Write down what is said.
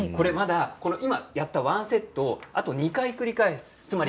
今やったワンセットをあと２回繰り返します。